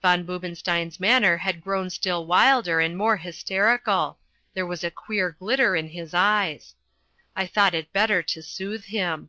Von Boobenstein's manner had grown still wilder and more hysterical. There was a queer glitter in his eyes. I thought it better to soothe him.